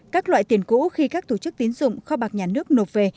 các loại tiền cũ khi các tổ chức tín dụng kho bạc nhà nước nộp về